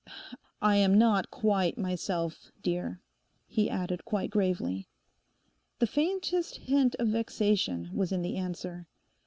I am not quite myself, dear,' he added quite gravely. The faintest hint of vexation was in the answer.